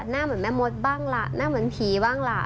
หน้าเหมือนแม่มดบ้างล่ะหน้าเหมือนผีบ้างล่ะ